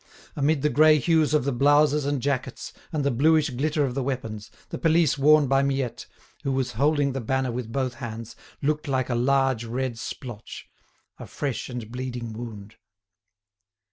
Amid the grey hues of the blouses and jackets, and the bluish glitter of the weapons, the pelisse worn by Miette, who was holding the banner with both hands, looked like a large red splotch—a fresh and bleeding wound.